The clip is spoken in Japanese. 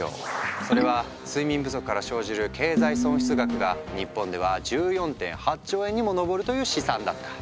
それは睡眠不足から生じる経済損失額が日本では１４．８兆円にも上るという試算だった。